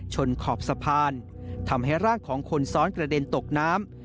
ขอบสะพานทำให้ร่างของคนซ้อนกระเด็นตกน้ำ